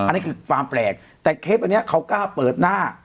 อันนี้คือความแปลกแต่เคปอันนี้เขากล้าเปิดหน้า